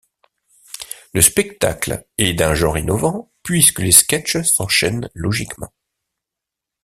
Le spectacle est d'un genre innovant puisque les sketches s'enchaînent logiquement.